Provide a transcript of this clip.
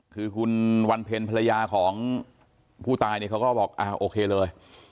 คือคุณวันเพ็ญภรรยาของผู้ตายเนี่ยเขาก็บอกอ่าโอเคเลย